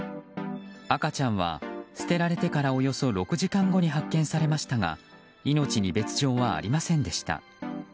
赤ちゃんは捨てられてからおよそ６時間後に発見されましたが命に別条はありませんでした。